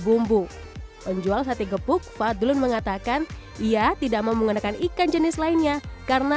bumbu penjual sate gepuk fadlun mengatakan ia tidak mau menggunakan ikan jenis lainnya karena